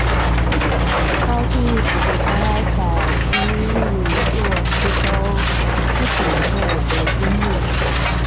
高蒂一直被关押在伊利诺斯州斯普林菲尔德监狱。